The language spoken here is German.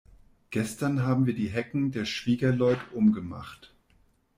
Gestern haben wir die Hecken der Schwiegerleut um gemacht.